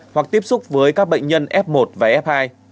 hoặc tiếp xúc với các bệnh nhân f một và f hai